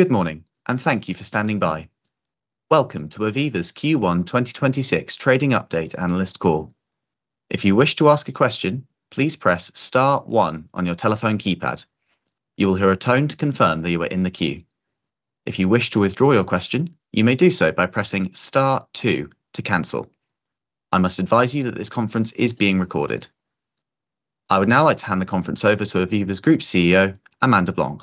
Good morning, and thank you for standing by. Welcome to Aviva's Q1 2026 Trading Update Analyst Call. If you wish to ask a question, please press star one on your telephone keypad. You will hear a tone to confirm that you are in the queue. If you wish to withdraw your question, you may do so by pressing star two to cancel. I must advise you that this conference is being recorded. I would now like to hand the conference over to Aviva's Group CEO, Amanda Blanc.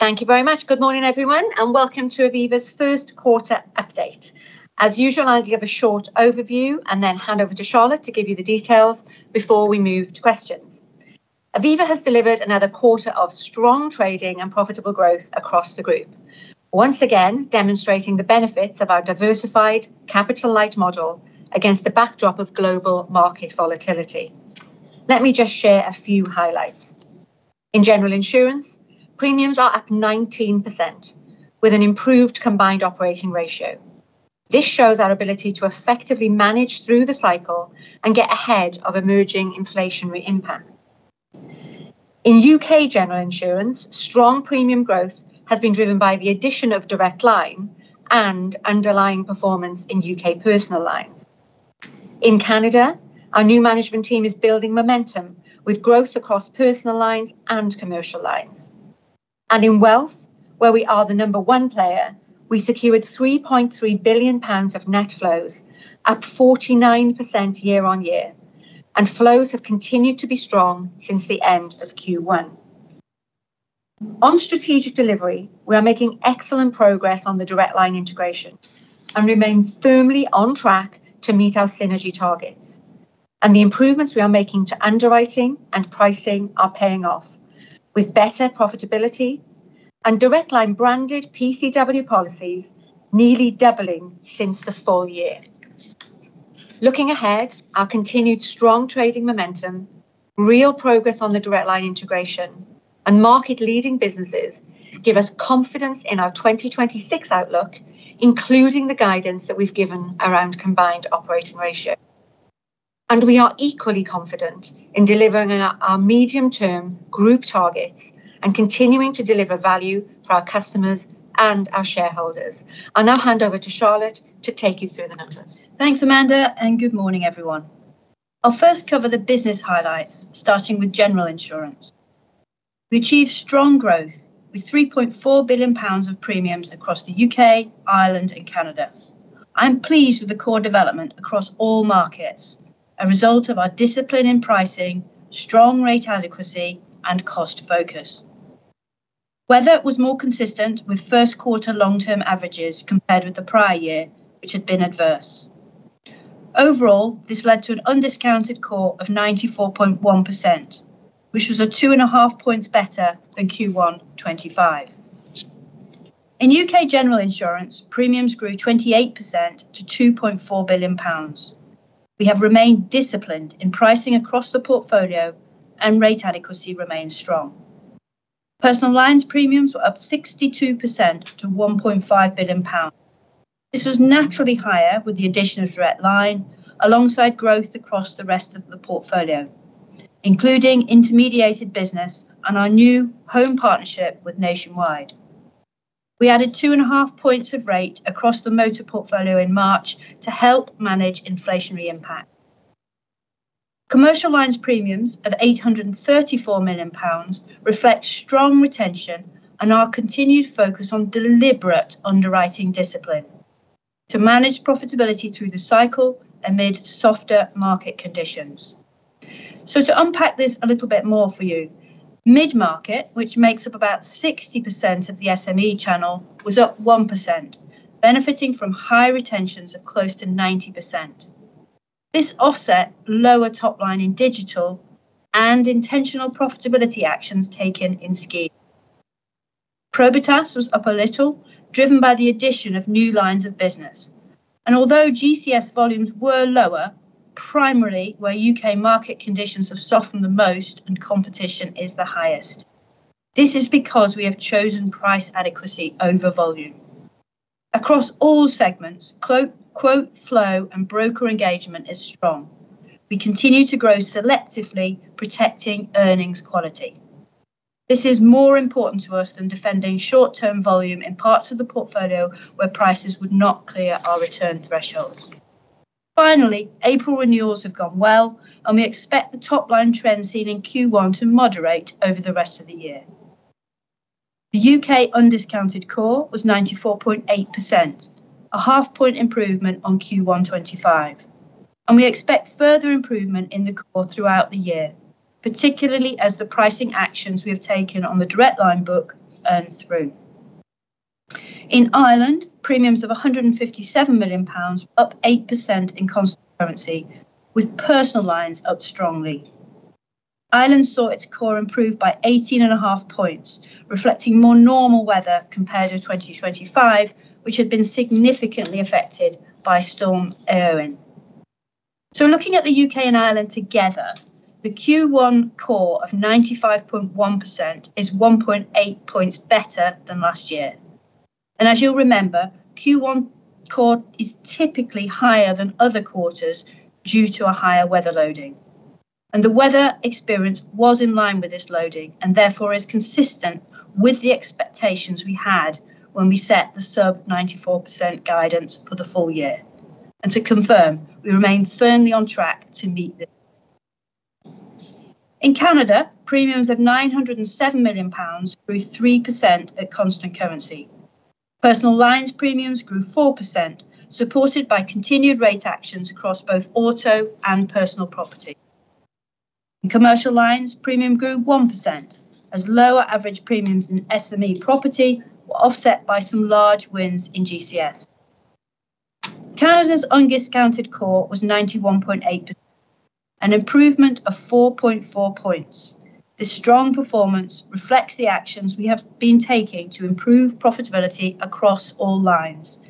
Thank you very much. Good morning, everyone, and welcome to Aviva's first quarter update. As usual, I'll give a short overview and then hand over to Charlotte to give you the details before we move to questions. Aviva has delivered another quarter of strong trading and profitable growth across the group, once again demonstrating the benefits of our diversified capital light model against the backdrop of global market volatility. Let me just share a few highlights. In general insurance, premiums are up 19%, with an improved combined operating ratio. This shows our ability to effectively manage through the cycle and get ahead of emerging inflationary impact. In U.K. general insurance, strong premium growth has been driven by the addition of Direct Line and underlying performance in U.K. personal lines. In Canada, our new management team is building momentum with growth across personal lines and commercial lines. In Wealth, where we are the number one player, we secured 3.3 billion pounds of net flows, up 49% year-on-year, and flows have continued to be strong since the end of Q1. On strategic delivery, we are making excellent progress on the Direct Line integration and remain firmly on track to meet our synergy targets. The improvements we are making to underwriting and pricing are paying off, with better profitability and Direct Line branded PCW policies nearly doubling since the full-year. Looking ahead, our continued strong trading momentum, real progress on the Direct Line integration, and market leading businesses give us confidence in our 2026 outlook, including the guidance that we've given around combined operating ratio. We are equally confident in delivering our medium term group targets and continuing to deliver value for our customers and our shareholders. I'll now hand over to Charlotte to take you through the numbers. Thanks, Amanda, and good morning, everyone. I'll first cover the business highlights, starting with General Insurance. We achieved strong growth with 3.4 billion pounds of premiums across the U.K., Ireland, and Canada. I'm pleased with the COR development across all markets, a result of our discipline in pricing, strong rate adequacy, and cost focus. Weather was more consistent with first quarter long-term averages compared with the prior year, which had been adverse. Overall, this led to an undiscounted COR of 94.1%, which was a 2.5 points better than Q1 2025. In U.K. General Insurance, premiums grew 28% to 2.4 billion pounds. We have remained disciplined in pricing across the portfolio and rate adequacy remains strong. Personal lines premiums were up 62% to 1.5 billion pounds. This was naturally higher with the addition of Direct Line alongside growth across the rest of the portfolio, including intermediated business and our new home partnership with Nationwide. We added 2.5 points of rate across the motor portfolio in March to help manage inflationary impact. Commercial lines premiums of 834 million pounds reflect strong retention and our continued focus on deliberate underwriting discipline to manage profitability through the cycle amid softer market conditions. To unpack this a little bit more for you, mid-market, which makes up about 60% of the SME channel, was up 1%, benefiting from high retentions of close to 90%. This offset lower top line in digital and intentional profitability actions taken in scheme. Probitas was up a little, driven by the addition of new lines of business. Although GCS volumes were lower, primarily where U.K. market conditions have softened the most and competition is the highest. This is because we have chosen price adequacy over volume. Across all segments, quote flow and broker engagement is strong. We continue to grow selectively, protecting earnings quality. This is more important to us than defending short-term volume in parts of the portfolio where prices would not clear our return thresholds. Finally, April renewals have gone well, and we expect the top line trend seen in Q1 to moderate over the rest of the year. The U.K. undiscounted COR was 94.8%, a half point improvement on Q1 2025, and we expect further improvement in the COR throughout the year, particularly as the pricing actions we have taken on the Direct Line book earn through. In Ireland, premiums of 157 million pounds, up 8% in constant currency, with personal lines up strongly. Ireland saw its COR improve by 18.5 points, reflecting more normal weather compared to 2025, which had been significantly affected by Storm Éowyn. Looking at the U.K. and Ireland together, the Q1 COR of 95.1% is 1.8 points better than last year. As you'll remember, Q1 COR is typically higher than other quarters due to a higher weather loading. The weather experience was in line with this loading, and therefore is consistent with the expectations we had when we set the sub 94% guidance for the full-year. To confirm, we remain firmly on track to meet this. In Canada, premiums of 907 million pounds grew 3% at constant currency. Personal lines premiums grew 4%, supported by continued rate actions across both auto and personal property. In commercial lines, premium grew 1%, as lower average premiums in SME property were offset by some large wins in GCS. Canada's undiscounted COR was 91.8%, an improvement of 4.4 points. This strong performance reflects the actions we have been taking to improve profitability across all lines,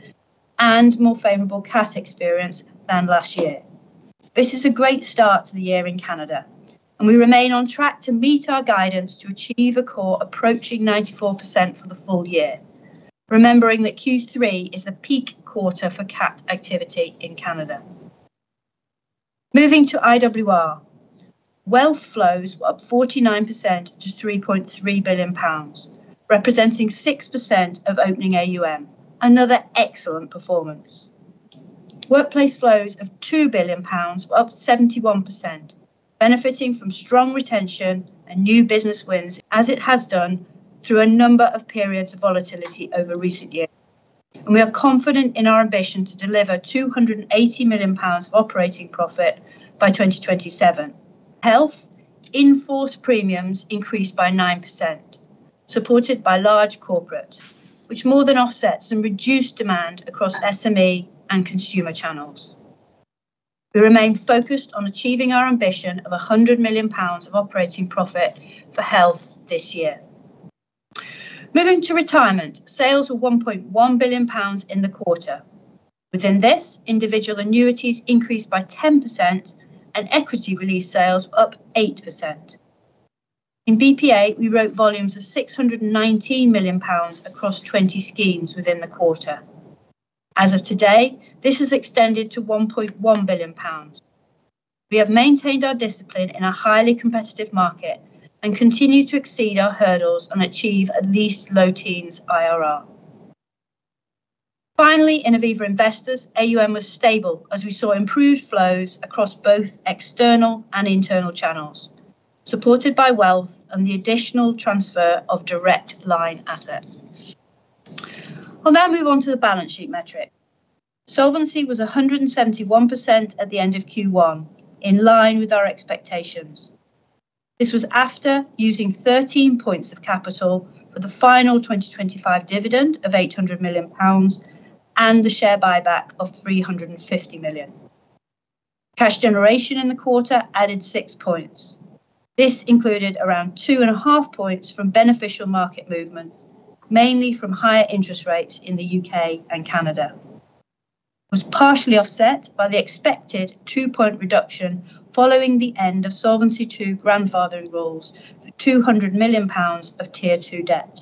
and more favorable CAT experience than last year. This is a great start to the year in Canada, and we remain on track to meet our guidance to achieve a COR approaching 94% for the full-year, remembering that Q3 is the peak quarter for CAT activity in Canada. Moving to IWR, Wealth flows were up 49% to 3.3 billion pounds, representing 6% of opening AUM. Another excellent performance. Workplace flows of 2 billion pounds were up 71%, benefiting from strong retention and new business wins as it has done through a number of periods of volatility over recent years. We are confident in our ambition to deliver 280 million pounds of operating profit by 2027. Health in-force premiums increased by 9%, supported by large corporate, which more than offsets some reduced demand across SME and consumer channels. We remain focused on achieving our ambition of 100 million pounds of operating profit for Health this year. Moving to Retirement, sales were 1.1 billion pounds in the quarter. Within this, individual annuities increased by 10%, and equity release sales were up 8%. In BPA, we wrote volumes of 619 million pounds across 20 schemes within the quarter. As of today, this has extended to 1.1 billion pounds. We have maintained our discipline in a highly competitive market, and continue to exceed our hurdles and achieve at least low teens IRR. Finally, in Aviva Investors, AUM was stable as we saw improved flows across both external and internal channels, supported by Wealth and the additional transfer of Direct Line assets. We'll now move on to the balance sheet metric. Solvency was 171% at the end of Q1, in line with our expectations. This was after using 13 points of capital for the final 2025 dividend of 800 million pounds and the share buyback of 350 million. Cash generation in the quarter added 6 points. This included around 2.5 points from beneficial market movements, mainly from higher interest rates in the U.K. and Canada. It was partially offset by the expected 2-point reduction following the end of Solvency II grandfathering rules for 200 million pounds of Tier 2 debt.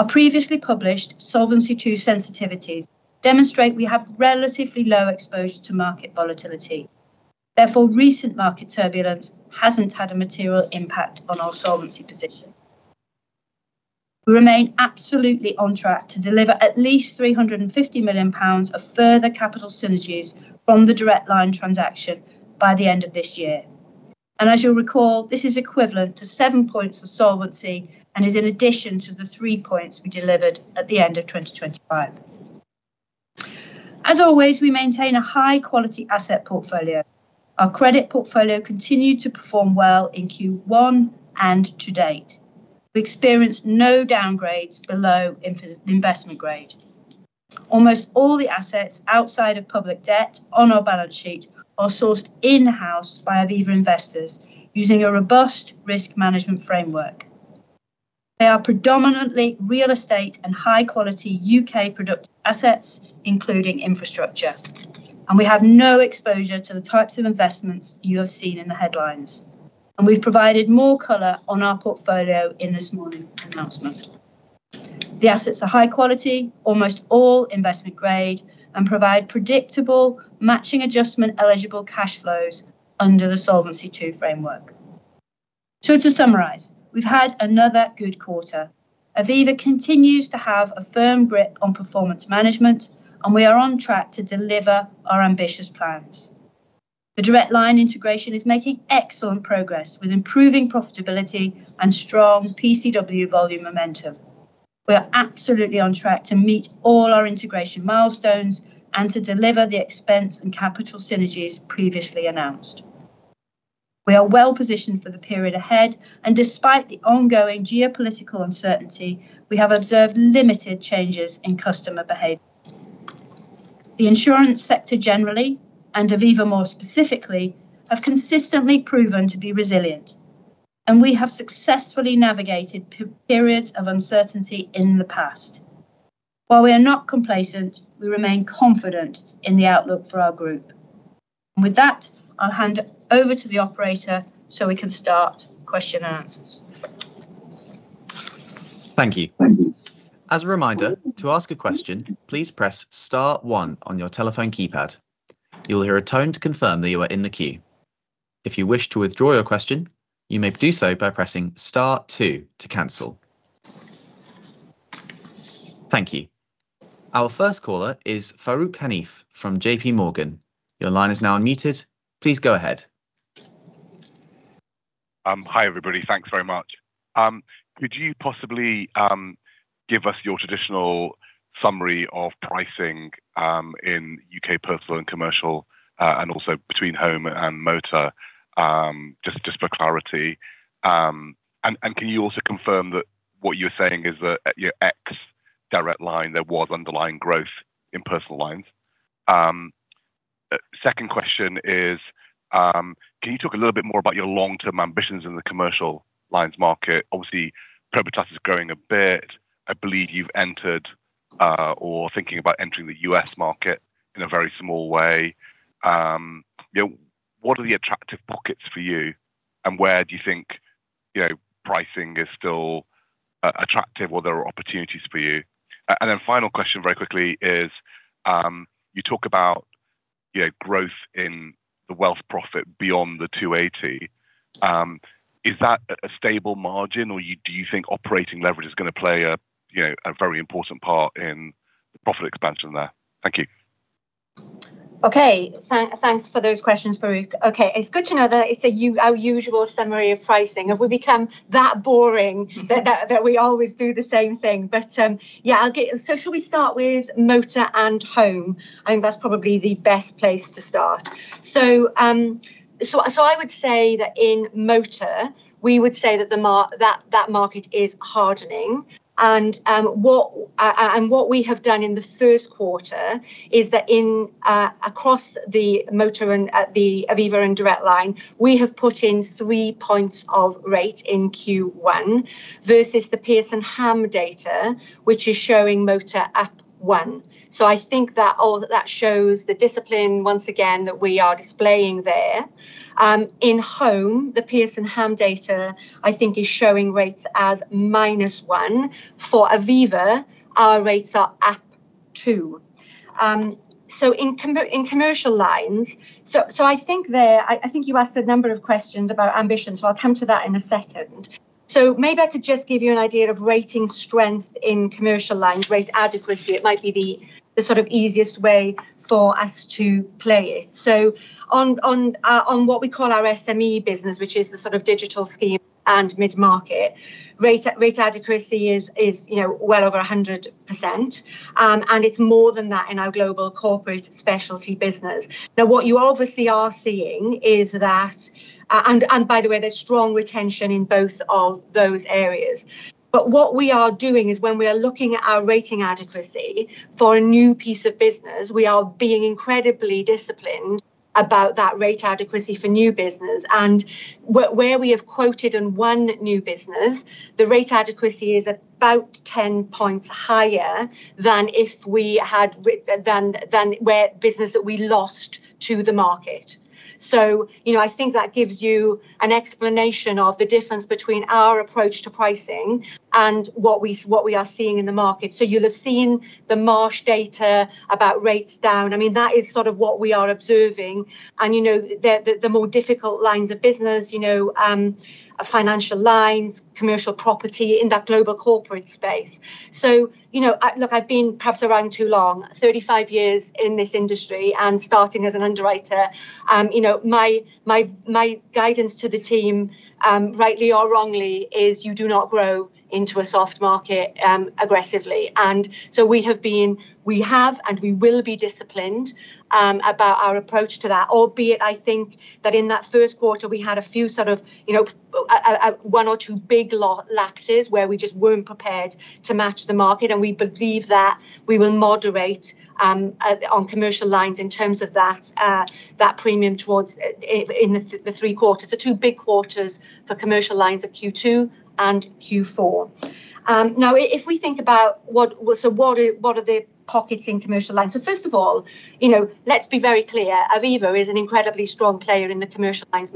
Our previously published Solvency II sensitivities demonstrate we have relatively low exposure to market volatility. Therefore, recent market turbulence hasn't had a material impact on our solvency position. We remain absolutely on track to deliver at least 350 million pounds of further capital synergies from the Direct Line transaction by the end of this year. As you'll recall, this is equivalent to 7 points of solvency and is in addition to the 3 points we delivered at the end of 2025. As always, we maintain a high-quality asset portfolio. Our credit portfolio continued to perform well in Q1 and to date. We experienced no downgrades below investment grade. Almost all the assets outside of public debt on our balance sheet are sourced in-house by Aviva Investors using a robust risk management framework. They are predominantly real estate and high-quality U.K. productive assets, including infrastructure. We have no exposure to the types of investments you have seen in the headlines. We've provided more color on our portfolio in this morning's announcement. The assets are high quality, almost all investment grade, and provide predictable matching adjustment eligible cash flows under the Solvency II framework. To summarize, we've had another good quarter. Aviva continues to have a firm grip on performance management, and we are on track to deliver our ambitious plans. The Direct Line integration is making excellent progress with improving profitability and strong PCW volume momentum. We are absolutely on track to meet all our integration milestones and to deliver the expense and capital synergies previously announced. We are well-positioned for the period ahead, and despite the ongoing geopolitical uncertainty, we have observed limited changes in customer behavior. The insurance sector generally, and Aviva more specifically, have consistently proven to be resilient, and we have successfully navigated periods of uncertainty in the past. While we are not complacent, we remain confident in the outlook for our group. With that, I'll hand over to the operator, so we can start question and answers. Thank you. As a reminder, to ask a question, please press star one on your telephone keypad. You will hear a tone to confirm that you are in the queue. If you wish to withdraw your question, you may do so by pressing star two to cancel. Thank you. Our first caller is Farooq Hanif from J.P. Morgan. Your line is now unmuted. Please go ahead. Hi, everybody. Thanks very much. Could you possibly give us your traditional summary of pricing in U.K. personal and commercial, and also between home and motor, just for clarity? Can you also confirm that what you're saying is that at your ex Direct Line there was underlying growth in personal lines? Second question is, can you talk a little bit more about your long-term ambitions in the commercial lines market? Obviously, Probitas is growing a bit. I believe you've entered or thinking about entering the U.S. market in a very small way. You know, what are the attractive pockets for you, and where do you think, you know, pricing is still attractive or there are opportunities for you? Final question very quickly is, you talk about, you know, growth in the Wealth profit beyond 280 million. Is that a stable margin, or do you think operating leverage is going to play a, you know, a very important part in the profit expansion there? Thank you. Okay. Thanks for those questions, Farooq. Okay. It's good to know that it's our usual summary of pricing. Have we become that boring that we always do the same thing? Yeah, should we start with motor and home? I think that's probably the best place to start. I would say that in motor we would say that the market is hardening and what we have done in the first quarter is that in across the motor and at the Aviva and Direct Line, we have put in 3 points of rate in Q1 versus the Pearson Ham data which is showing motor up 1%. I think that all that shows the discipline once again that we are displaying there. In home, the Pearson Ham data I think is showing rates as -1. For Aviva, our rates are up +2. In commercial lines, I think you asked a number of questions about ambitions, so I'll come to that in a second. Maybe I could just give you an idea of rating strength in commercial lines, rate adequacy. It might be the sort of easiest way for us to play it. On what we call our SME business, which is the sort of digital scheme and mid-market, rate adequacy is, you know, well over 100%. And it's more than that in our global corporate specialty business. What you obviously are seeing is that, and by the way, there's strong retention in both of those areas. What we are doing is when we are looking at our rating adequacy for a new piece of business, we are being incredibly disciplined about that rate adequacy for new business. Where we have quoted on one new business, the rate adequacy is about 10 points higher than if we had than where business that we lost to the market. You know, I think that gives you an explanation of the difference between our approach to pricing and what we are seeing in the market. You'll have seen the Marsh data about rates down. I mean, that is sort of what we are observing and, you know, the, the more difficult lines of business, you know, financial lines, commercial property in that global corporate space. You know, I look, I've been perhaps around too long, 35 years in this industry, and starting as an underwriter, you know, my guidance to the team, rightly or wrongly, is you do not grow into a soft market aggressively. We have been and we will be disciplined about our approach to that. Albeit, I think that in that first quarter we had a few sort of, you know, a one or two big lapses where we just weren't prepared to match the market, and we believe that we will moderate on commercial lines in terms of that premium towards in the three quarters. The two big quarters for commercial lines are Q2 and Q4. Now if we think about what are the pockets in commercial lines? First of all, you know, let's be very clear. Aviva is an incredibly strong player in the commercial lines,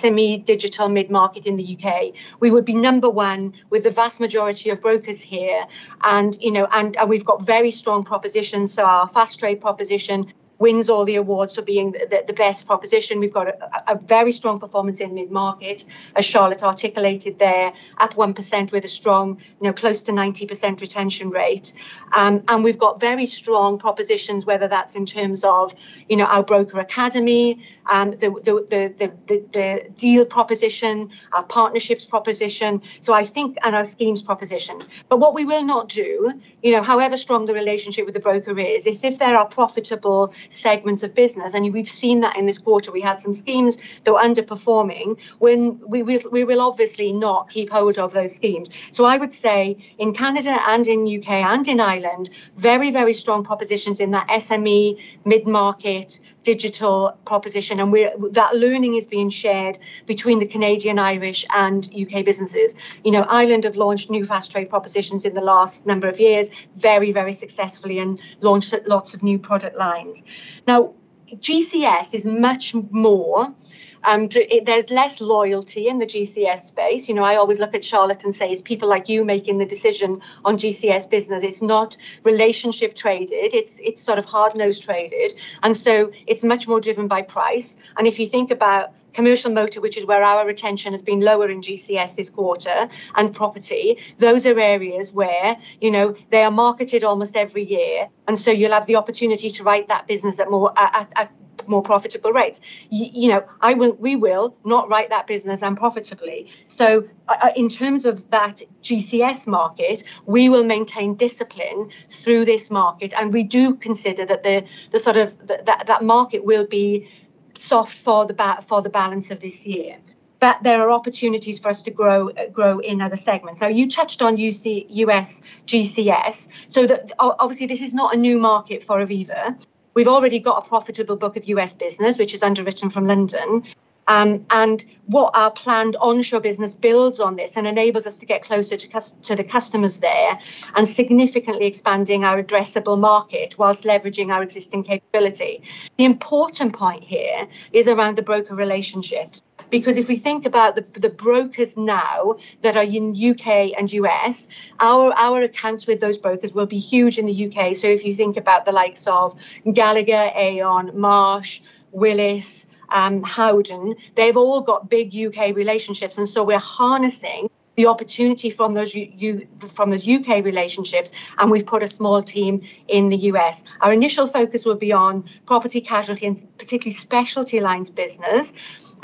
SME digital mid-market in the U.K. We would be number one with the vast majority of brokers here and, you know, and we've got very strong propositions, our Fast Trade proposition wins all the awards for being the best proposition. We've got a very strong performance in mid-market, as Charlotte articulated there, up 1% with a strong, you know, close to 90% retention rate. And we've got very strong propositions, whether that's in terms of, you know, our Broker Academy, the deal proposition, our partnerships proposition. I think and our schemes proposition. What we will not do, you know, however strong the relationship with the broker is if there are profitable segments of business, and we've seen that in this quarter, we had some schemes that were underperforming, when we will, we will obviously not keep hold of those schemes. I would say in Canada and in U.K. and in Ireland, very, very strong propositions in that SME mid-market digital proposition and that learning is being shared between the Canadian, Irish, and U.K. businesses. You know, Ireland have launched new Fast Trade propositions in the last number of years very, very successfully and launched lots of new product lines. GCS is much more, there's less loyalty in the GCS space. You know, I always look at Charlotte and say, "It's people like you making the decision on GCS business." It's not relationship traded, it's sort of hard-nosed traded, and so it's much more driven by price. If you think about commercial motor, which is where our retention has been lower in GCS this quarter, and property, those are areas where, you know, they are marketed almost every year, and so you'll have the opportunity to write that business at more profitable rates. You know, we will not write that business unprofitably. In terms of that GCS market, we will maintain discipline through this market and we do consider that the sort of that market will be soft for the balance of this year. There are opportunities for us to grow in other segments. You touched on U.S. GCS, obviously this is not a new market for Aviva. We've already got a profitable book of U.S. business which is underwritten from London. What our planned onshore business builds on this, and enables us to get closer to the customers there, and significantly expanding our addressable market whilst leveraging our existing capability. The important point here is around the broker relationships. If we think about the brokers now that are in U.K. and U.S., our accounts with those brokers will be huge in the U.K. If you think about the likes of Gallagher, Aon, Marsh, Willis, Howden, they've all got big U.K. relationships. We're harnessing the opportunity from those U.K. relationships, and we've put a small team in the U.S. Our initial focus will be on property casualty and particularly specialty lines business,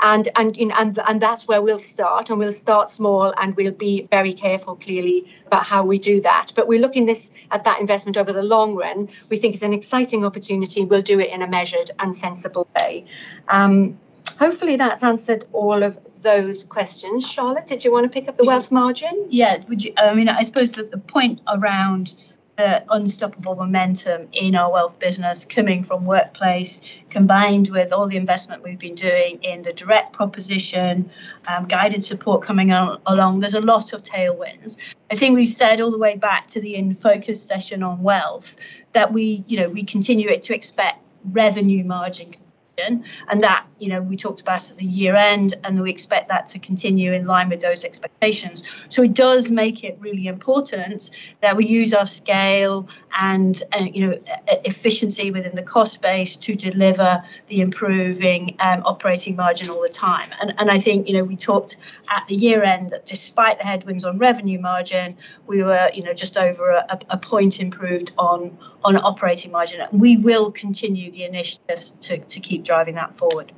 and that's where we'll start. We'll start small, and we'll be very careful, clearly, about how we do that. We're looking this, at that investment over the long run. We think it's an exciting opportunity. We'll do it in a measured and sensible way. Hopefully that's answered all of those questions. Charlotte, did you wanna pick up the Wealth margin? Would you I mean, I suppose the point around the unstoppable momentum in our Wealth business coming from workplace, combined with all the investment we've been doing in the direct proposition, guided support coming along, there's a lot of tailwinds. I think we've said all the way back to the in-focus session on Wealth that we, you know, we continue it to expect revenue margin and that, you know, we talked about at the year end, and we expect that to continue in line with those expectations. It does make it really important that we use our scale and, you know, efficiency within the cost base to deliver the improving operating margin all the time. I think, you know, we talked at the year end that despite the headwinds on revenue margin, we were, you know, just over a point improved on operating margin. We will continue the initiatives to keep driving that forward.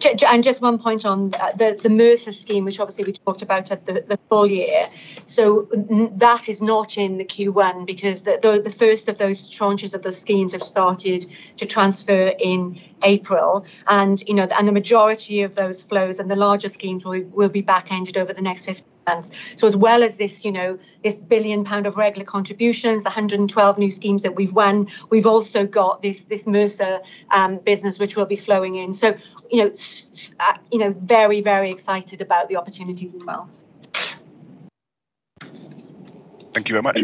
Just one point on the Mercer scheme, which obviously we talked about at the full-year. That is not in the Q1 because the first of those tranches of the schemes have started to transfer in April and, you know, the majority of those flows and the larger schemes will be backended over the next 15 months. As well as this, you know, this 1 billion pound of regular contributions, the 112 new schemes that we've won, we've also got this Mercer business which will be flowing in. You know, very, very excited about the opportunities in Wealth. Thank you very much.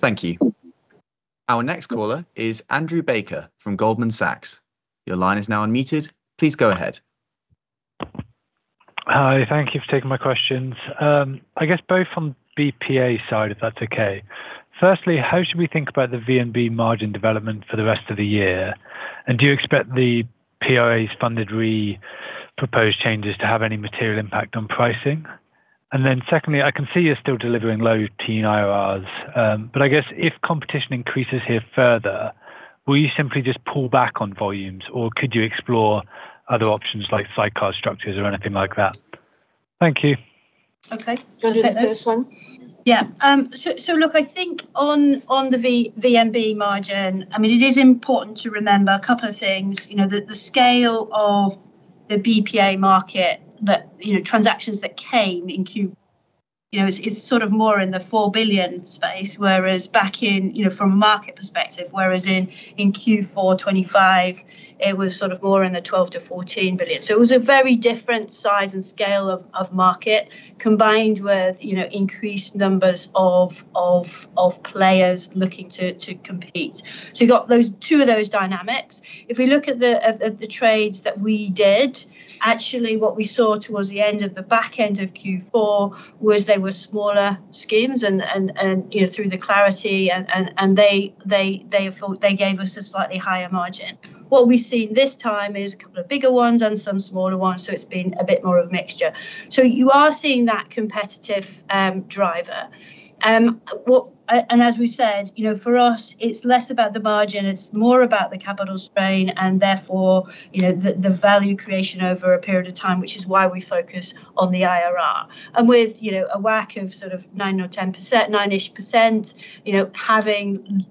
Thank you. Our next caller is Andrew Baker from Goldman Sachs. Your line is now unmuted. Please go ahead. Hi, thank you for taking my questions. I guess both from BPA side, if that's okay. Firstly, how should we think about the VNB margin development for the rest of the year? Do you expect the PRA's funded re proposed changes to have any material impact on pricing? Secondly, I can see you're still delivering low-teen IRRs, but I guess if competition increases here further, will you simply just pull back on volumes or could you explore other options like sidecar structures or anything like that? Thank you. Okay. Do you wanna take this one? Look, I think on the VNB margin, I mean, it is important to remember a couple of things. The scale of the BPA market that transactions that came in Q is sort of more in the 4 billion space, whereas back in from a market perspective, whereas in Q4 2025, it was sort of more in the 12 billion-14 billion. It was a very different size and scale of market, combined with increased numbers of players looking to compete. You got those two of those dynamics. If we look at the trades that we did, actually what we saw towards the end of the back end of Q4 was they were smaller schemes and, you know, through the Clarity, they gave us a slightly higher margin. What we've seen this time is a couple of bigger ones and some smaller ones, so it's been a bit more of a mixture. You are seeing that competitive driver. And as we said, you know, for us it's less about the margin, it's more about the capital strain and therefore, you know, the value creation over a period of time, which is why we focus on the IRR. With, you know, a WACC of sort of 9% or 10%, 9-ish%, you know, having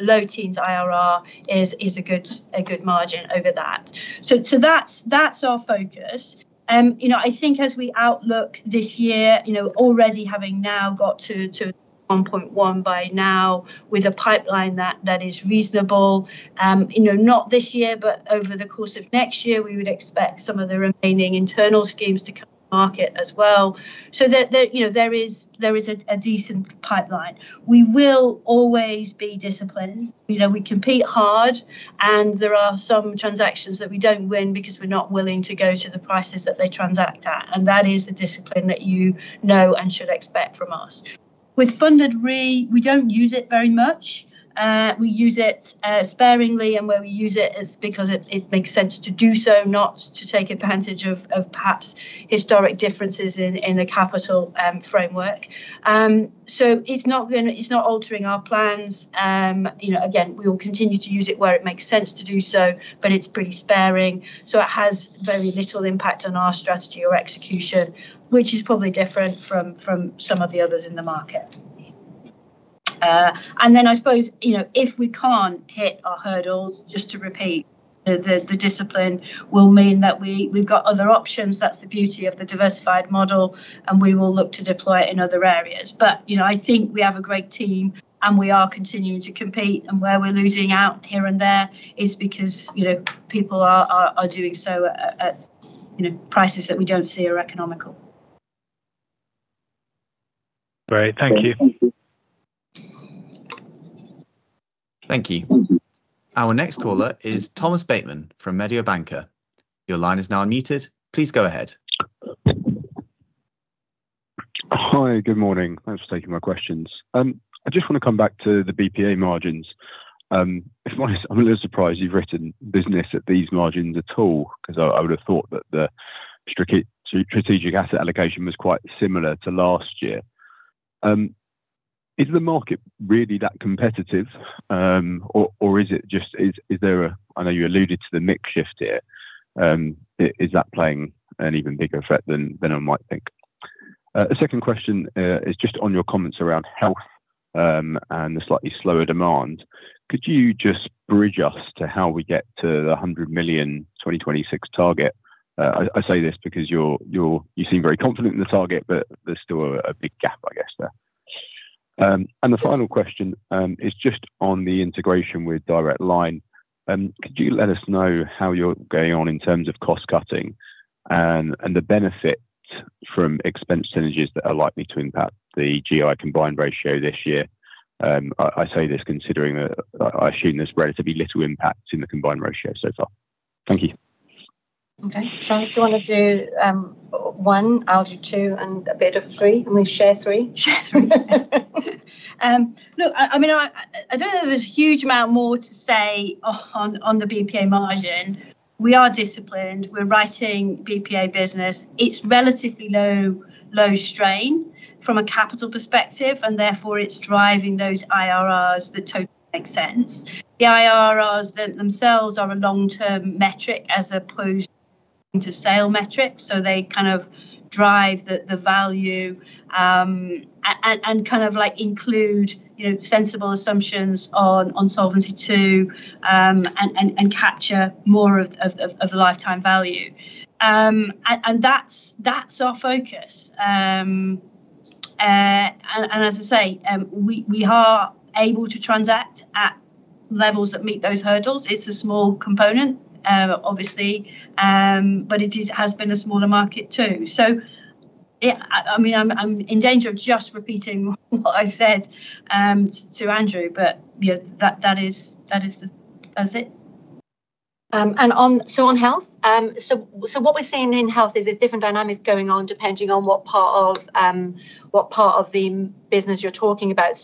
low teens IRR is a good margin over that. That's our focus. You know, I think as we outlook this year, you know, already having now got to 1.1 billion by now with a pipeline that is reasonable, you know, not this year but over the course of next year we would expect some of the remaining internal schemes to come to market as well. There, you know, there is a decent pipeline. We will always be disciplined. You know, we compete hard and there are some transactions that we don't win because we're not willing to go to the prices that they transact at. That is the discipline that you know and should expect from us. With funded re, we don't use it very much. We use it sparingly, where we use it is because it makes sense to do so, not to take advantage of perhaps historic differences in the capital framework. It's not altering our plans. You know, again, we'll continue to use it where it makes sense to do so, but it's pretty sparing. It has very little impact on our strategy or execution, which is probably different from some of the others in the market. I suppose, you know, if we can't hit our hurdles, just to repeat, the discipline will mean that we've got other options. That's the beauty of the diversified model, and we will look to deploy it in other areas. You know, I think we have a great team, and we are continuing to compete. Where we're losing out here and there is because, you know, people are doing so at, you know, prices that we don't see are economical. Great. Thank you. Thank you. Our next caller is Thomas Bateman from Mediobanca. Your line is now unmuted. Please go ahead. Hi. Good morning. Thanks for taking my questions. I just want to come back to the BPA margins. I'm a little surprised you've written business at these margins at all, 'cause I would've thought that the strategic asset allocation was quite similar to last year. Is the market really that competitive, or is there a I know you alluded to the mix shift here. Is that playing an even bigger effect than I might think? A second question is just on your comments around health, and the slightly slower demand. Could you just bridge us to how we get to the 100 million 2026 target? I say this because you're you seem very confident in the target, but there's still a big gap, I guess, there. The final question is just on the integration with Direct Line. Could you let us know how you're going on in terms of cost cutting and the benefit from expense synergies that are likely to impact the GI combined ratio this year? I say this considering that I assume there's relatively little impact in the combined ratio so far. Thank you. Okay. Charlotte, do you want to do one, I'll do two, and a bit of three, and we share three? Share three. Look, I mean, I don't know there's a huge amount more to say on the BPA margin. We are disciplined. We're writing BPA business. It's relatively low strain from a capital perspective, and therefore it's driving those IRRs that totally make sense. The IRRs themselves are a long-term metric as opposed to sale metric, so they kind of drive the value and kind of, like, include, you know, sensible assumptions on Solvency II and capture more of the lifetime value. And that's our focus. And as I say, we are able to transact at levels that meet those hurdles. It's a small component, obviously, but it is, has been a smaller market too. Yeah, I mean, I'm in danger of just repeating what I said to Andrew, but, yeah, that is the That's it. And on health, so what we're seeing in health is there's different dynamics going on depending on what part of what part of the business you're talking about.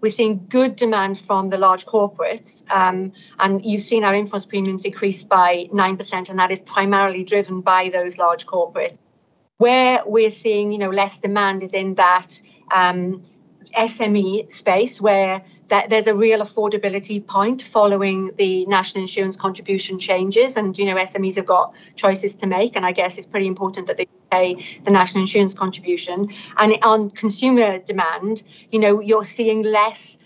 We're seeing good demand from the large corporates, and you've seen our in-force premiums increase by 9%, and that is primarily driven by those large corporates. Where we're seeing, you know, less demand is in that SME space where there's a real affordability point following the National Insurance contributions changes. You know, SMEs have got choices to make, and I guess it's pretty important that they pay the National Insurance contributions. On consumer demand, you know, you're seeing less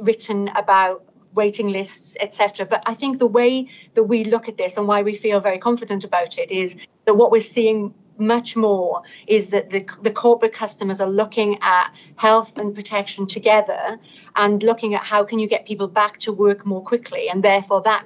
written about waiting lists, etc. I think the way that we look at this and why we feel very confident about it is that what we're seeing much more is that the corporate customers are looking at health and protection together and looking at how can you get people back to work more quickly, and therefore that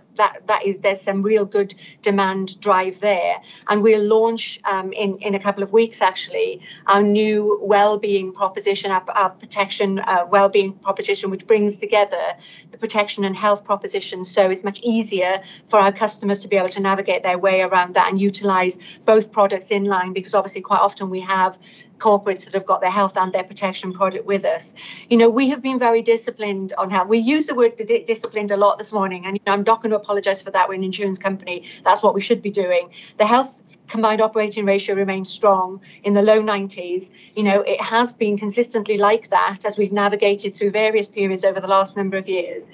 is there's some real good demand drive there. We'll launch in a couple of weeks actually our new wellbeing proposition, our protection wellbeing proposition, which brings together the protection and health proposition so it's much easier for our customers to be able to navigate their way around that and utilize both products in line. Obviously quite often we have corporates that have got their health and their protection product with us. You know, we have been very disciplined on health. We use the word disciplined a lot this morning, I'm not going to apologize for that. We're an insurance company. That's what we should be doing. The health Combined Operating Ratio remains strong in the low 90s. You know, it has been consistently like that as we've navigated through various periods over the last number of years,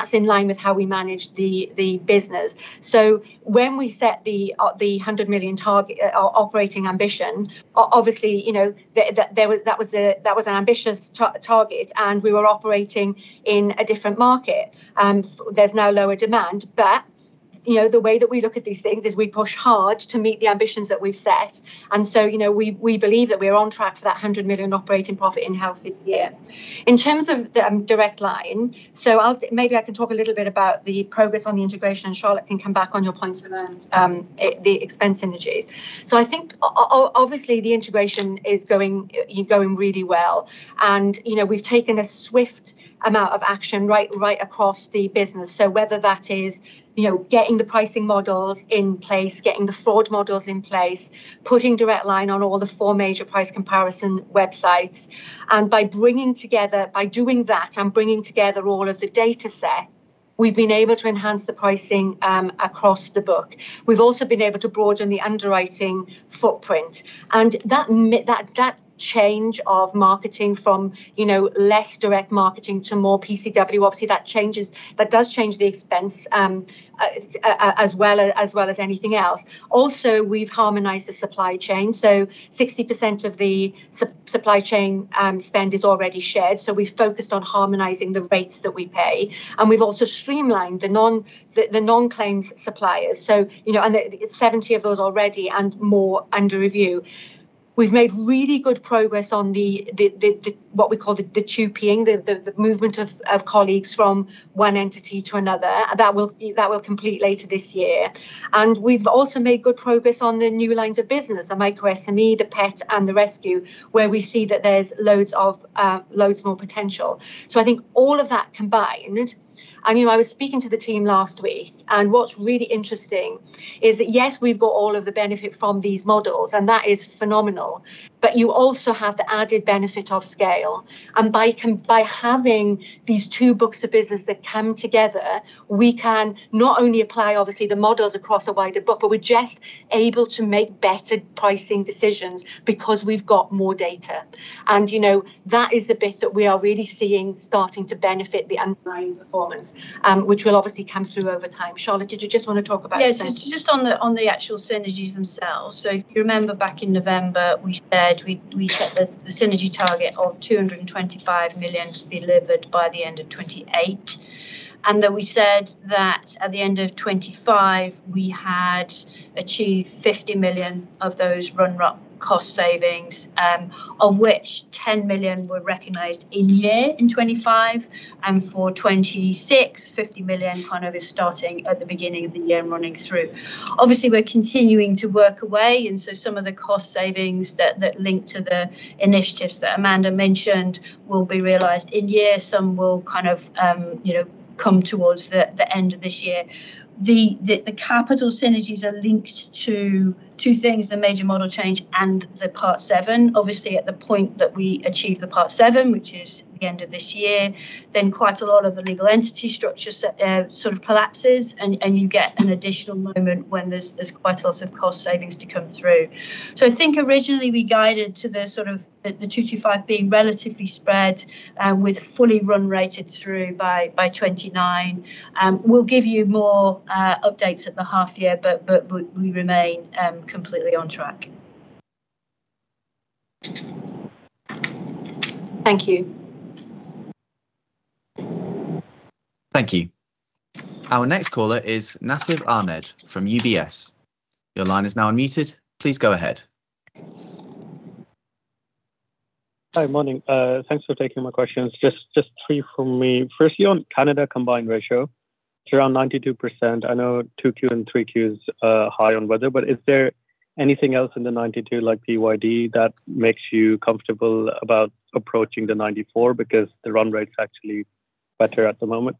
that's in line with how we manage the business. When we set the 100 million target operating ambition, obviously, you know, there was an ambitious target, we were operating in a different market. There's now lower demand but, you know, the way that we look at these things is we push hard to meet the ambitions that we've set. You know, we believe that we're on track for that 100 million operating profit in-house this year. In terms of the Direct Line, I'll maybe I can talk a little bit about the progress on the integration, and Charlotte can come back on your points around the expense synergies. I think obviously the integration is going really well, and, you know, we've taken a swift amount of action right across the business. Whether that is, you know, getting the pricing models in place, getting the fraud models in place, putting Direct Line on all the four major price comparison websites. By bringing together, by doing that and bringing together all of the dataset, we've been able to enhance the pricing across the book. We've also been able to broaden the underwriting footprint, and that change of marketing from less direct marketing to more PCW, obviously, that does change the expense as well as anything else. We've harmonized the supply chain, so 60% of the supply chain spend is already shared, so we've focused on harmonizing the rates that we pay. We've also streamlined the non-claims suppliers, so, it's 70% of those already and more under review. We've made really good progress on the what we call the TUPE-ing, the movement of colleagues from one entity to another. That will complete later this year. We've also made good progress on the new lines of business, the micro SME, the pet, and the rescue, where we see that there's loads more potential. I think all of that combined I mean, I was speaking to the team last week, and what's really interesting is that, yes, we've got all of the benefit from these models, and that is phenomenal, but you also have the added benefit of scale, and by having these two books of business that come together, we can not only apply, obviously, the models across a wider book, but we're just able to make better pricing decisions because we've got more data. You know, that is the bit that we are really seeing starting to benefit the underlying performance, which will obviously come through over time. Charlotte, did you just wanna talk about synergies? Yes, just on the actual synergies themselves. If you remember back in November, we said we set the synergy target of 225 million delivered by the end of 2028. Then we said that at the end of 2025, we had achieved 50 million of those run cost savings, of which 10 million were recognized in-year in 2025. For 2026, 50 million kind of is starting at the beginning of the year and running through. Obviously, we're continuing to work away, some of the cost savings that link to the initiatives that Amanda mentioned will be realized in year. Some will kind of, you know, come towards the end of this year. The capital synergies are linked to two things, the major model change and the Part VII. At the point that we achieve the Part VII, which is the end of this year, then quite a lot of the legal entity structure sort of collapses, and you get an additional moment when there's quite a lot of cost savings to come through. I think originally we guided to the sort of the 225 million being relatively spread, with fully run rated through by 2029. We'll give you more updates at the half year, but we remain completely on track. Thank you. Thank you. Our next caller is Nasib Ahmed from UBS. Please go ahead. Hi. Morning. Thanks for taking my questions. Just three from me. Firstly, on Canada combined ratio, it's around 92%. I know Q2 and Q3 is high on weather. Is there anything else in the 92%, like PYD, that makes you comfortable about approaching the 94%? Because the run rate's actually better at the moment.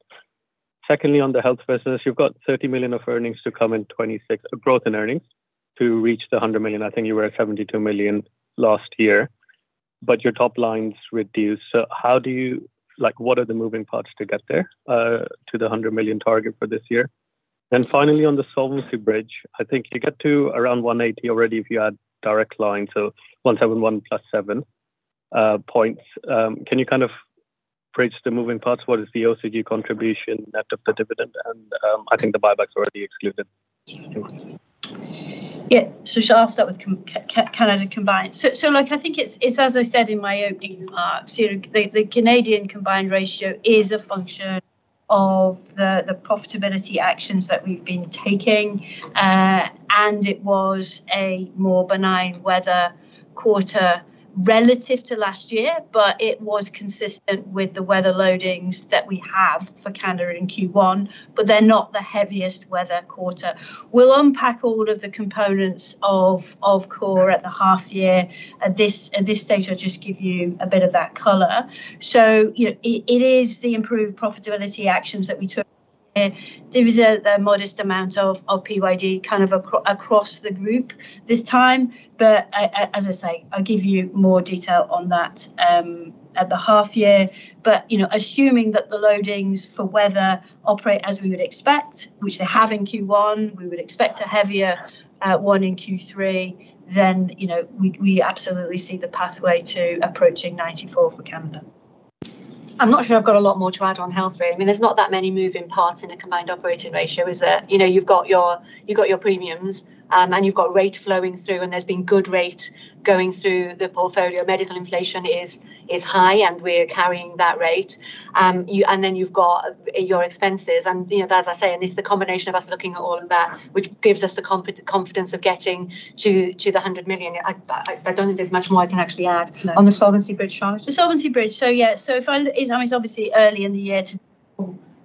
Secondly, on the health business, you've got 30 million of earnings to come in 2026, a growth in earnings to reach the 100 million. I think you were at 72 million last year. Your top line's reduced, so how do you what are the moving parts to get there to the 100 million target for this year? Finally, on the Solvency bridge, I think you get to around 180 already if you add Direct Line, so 171% plus 7 points. Can you kind of phrase the moving parts? What is the OCG contribution net of the dividend? I think the buyback's already excluded. Yeah. Shall I start with Canada combined? Like, I think it's as I said in my opening remarks. The Canadian combined ratio is a function of the profitability actions that we've been taking. It was a more benign weather quarter relative to last year, but it was consistent with the weather loadings that we have for Canada in Q1, but they're not the heaviest weather quarter. We'll unpack all of the components of COR at the half year. At this stage, I'll just give you a bit of that color. It is the improved profitability actions that we took. There was a modest amount of PYD kind of across the group this time. As I say, I'll give you more detail on that at the half year. You know, assuming that the loadings for weather operate as we would expect, which they have in Q1, we would expect a heavier one in Q3. You know, we absolutely see the pathway to approaching 94% for Canada. I'm not sure I've got a lot more to add on health rate. There's not that many moving parts in a Combined Operating Ratio, is there? You've got your premiums, you've got rate flowing through, there's been good rate going through the portfolio. Medical inflation is high, we're carrying that rate. Then you've got your expenses, as I say, it's the combination of us looking at all of that which gives us the confidence of getting to the 100 million. I don't think there's much more I can actually add. No. On the Solvency bridge, Charlotte? The Solvency bridge, yeah. It's, I mean, it's obviously early in the year to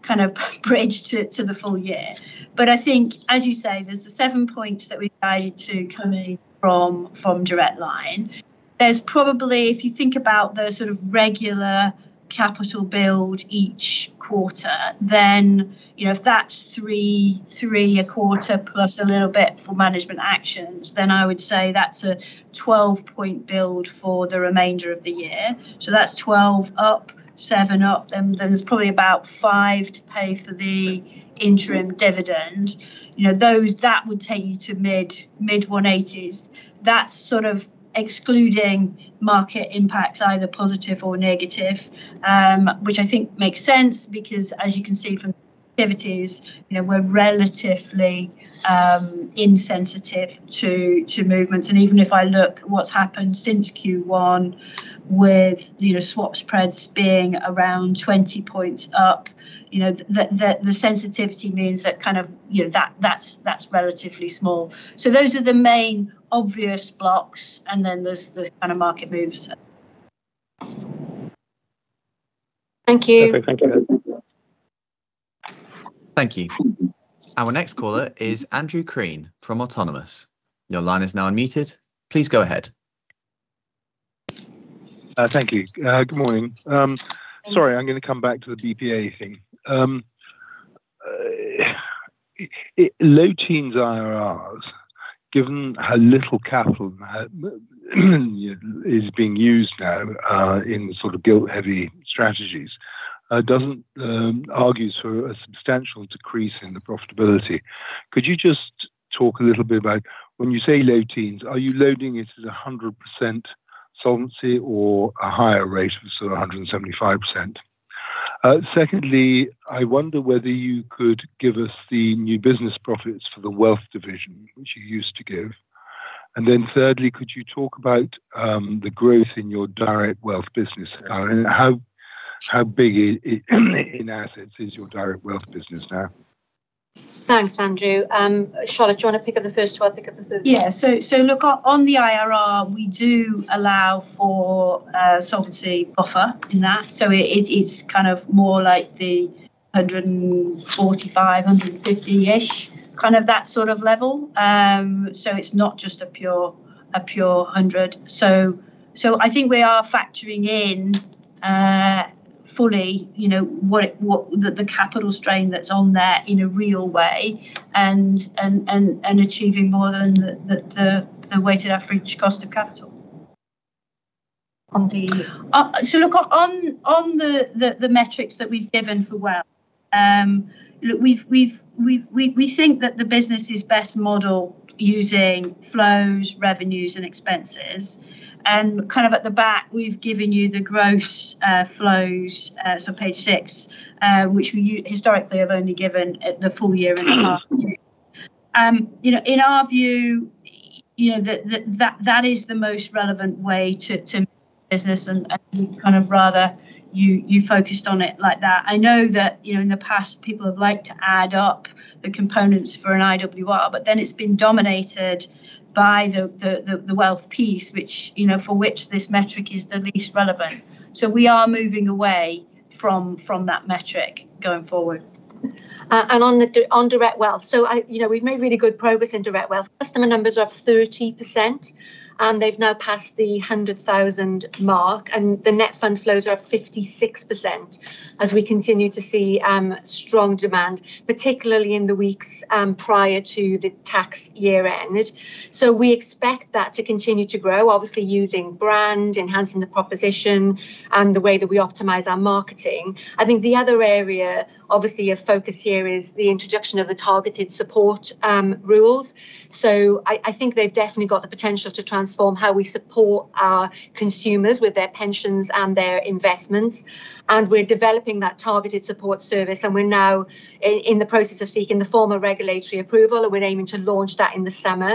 kind of bridge to the full-year. I think, as you say, there's the 7 points that we guided to coming from Direct Line. There's probably, if you think about the sort of regular capital build each quarter, then, you know, if that's three a quarter plus a little bit for management actions, then I would say that's a 12-point build for the remainder of the year. That's 12 up, seven up, then there's probably about five to pay for the interim dividend. You know, that would take you to mid-180s. That's sort of excluding market impacts, either positive or negative, which I think makes sense because as you can see from activities, you know, we're relatively insensitive to movements. Even if I look what's happened since Q1 with, you know, swap spreads being around 20 points up, you know, the sensitivity means that kind of, you know, that's relatively small. Those are the main obvious blocks, and then there's the kind of market moves. Thank you. Okay, thank you. Thank you. Our next caller is Andrew Crean from Autonomous. Your line is now unmuted. Please go ahead. Thank you. Good morning. Sorry, I'm gonna come back to the BPA thing. It, low teens IRRs, given how little capital now is being used now in sort of gilt-heavy strategies, doesn't argues for a substantial decrease in the profitability. Could you just talk a little bit about when you say low teens, are you loading it at 100% solvency or a higher rate of sort of 175%? Secondly, I wonder whether you could give us the new business profits for the Wealth division, which you used to give. Thirdly, could you talk about the growth in your direct wealth business now, how big is it in assets is your direct wealth business now? Thanks, Andrew. Charlotte, do you wanna pick up the first two, I'll pick up the third one. Look, on the IRR, we do allow for a solvency buffer in that. It is kind of more like the 145%, 150%-ish, kind of that sort of level. It's not just a pure, a pure 100%. I think we are factoring in fully, you know, what it, what, the capital strain that's on there in a real way and achieving more than the weighted average cost of capital. On the metrics that we've given for Wealth, we think that the business is best modeled using flows, revenues, and expenses. Kind of at the back, we've given you the gross flows, so page six, which we historically have only given at the full-year and half. You know, in our view, you know, that is the most relevant way to business and rather you focused on it like that. I know that, you know, in the past people have liked to add up the components for an IWR, then it's been dominated by the Wealth piece which, you know, for which this metric is the least relevant. We are moving away from that metric going forward. On direct wealth. You know, we've made really good progress in direct wealth. Customer numbers are up 30%, and they've now passed the 100,000 mark, and the net fund flows are up 56% as we continue to see strong demand, particularly in the weeks prior to the tax year end. We expect that to continue to grow, obviously using brand, enhancing the proposition, and the way that we optimize our marketing. I think the other area, obviously, a focus here is the introduction of the targeted support rules. I think they've definitely got the potential to transform how we support our consumers with their pensions and their investments, and we're developing that targeted support service, and we're now in the process of seeking the formal regulatory approval, and we're aiming to launch that in the summer.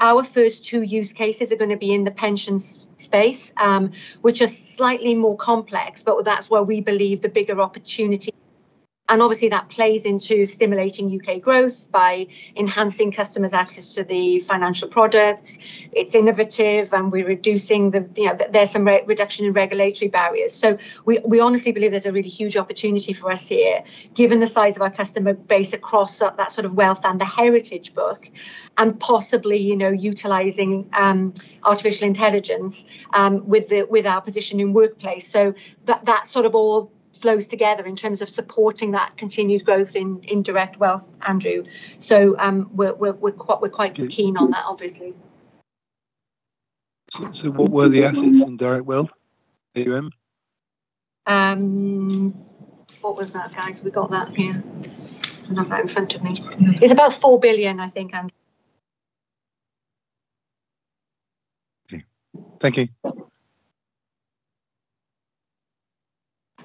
Our first two use cases are gonna be in the pension space, which are slightly more complex, but that's where we believe the bigger opportunity. Obviously that plays into stimulating U.K. growth by enhancing customers' access to the financial products. It's innovative, we're reducing the, you know, there's some reduction in regulatory barriers. We, we honestly believe there's a really huge opportunity for us here given the size of our customer base across that sort of wealth and the heritage book, and possibly, you know, utilizing Artificial Intelligence with the, with our position in workplace. That, that sort of all flows together in terms of supporting that continued growth in direct wealth, Andrew. We're quite keen on that, obviously. What were the assets in direct wealth, AUM? What was that, guys? We got that here. I don't have that in front of me. It's about 4 billion, I think, Andrew. Okay. Thank you.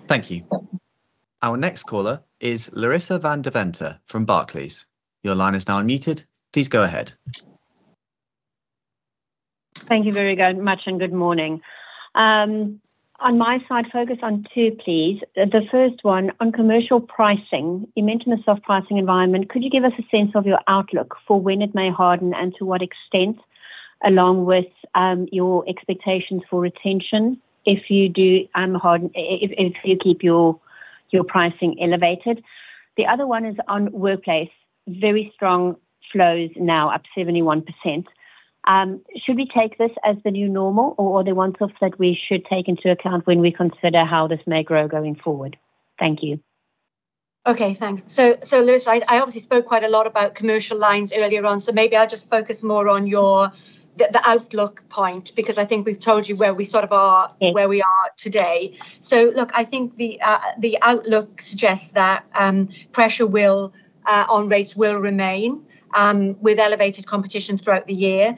Thank you. Our next caller is Larissa van Deventer from Barclays. Your line is now unmuted. Please go ahead. Thank you very much, and good morning. On my side, focus on two, please. The first one, on commercial pricing, you mentioned a soft pricing environment. Could you give us a sense of your outlook for when it may harden and to what extent, along with your expectations for retention if you do harden, if you keep your pricing elevated. The other one is on workplace. Very strong flows now, up 71%. Should we take this as the new normal or are they one-offs that we should take into account when we consider how this may grow going forward? Thank you. Okay, thanks. Larissa van Deventer, I obviously spoke quite a lot about commercial lines earlier on, maybe I'll just focus more on your, the outlook point, because I think we've told you where we sort of are- Yeah.... where we are today. I think the outlook suggests that pressure on rates will remain with elevated competition throughout the year.